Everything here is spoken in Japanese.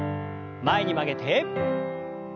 前に曲げて。